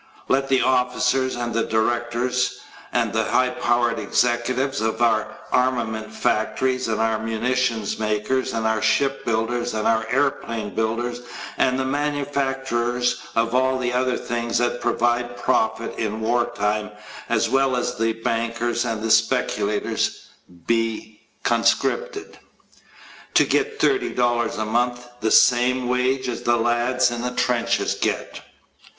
Let the officers and the directors and the high powered executives of our armament factories and our munitions makers and our shipbuilders and our airplane builders and the manufacturers of all the other things that provide profit in war time as well as the bankers and the speculators, be conscripted to get $30 a month, the same wage as the lads in the trenches get.